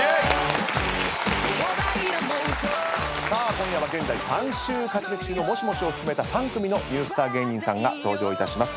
今夜は３週勝ち抜き中のモシモシを含めた３組のニュースター芸人さんが登場いたします。